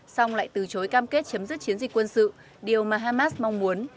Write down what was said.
xong lại từ chối cam kết chấm dứt chiến dịch quân sự điều mà hamas mong muốn